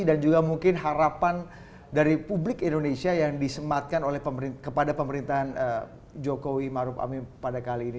dan juga mungkin harapan dari publik indonesia yang disematkan kepada pemerintahan jokowi maruf amin pada kali ini